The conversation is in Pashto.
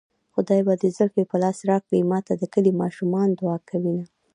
خدای به دې زلفې په لاس راکړي ماته د کلي ماشومان دوعا کوينه